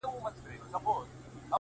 o د نوم له سيـتاره دى لـوېـدلى،